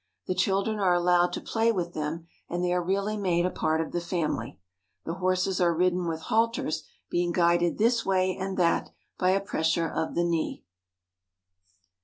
The children are allowed to play with them, and they are really made a part of the family. The horses are ridden with halters, being guided this way and that by a pressure of the knee.